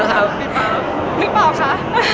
หลีกเปล่าคะ